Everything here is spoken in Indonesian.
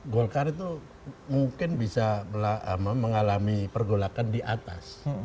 golkar itu mungkin bisa mengalami pergolakan di atas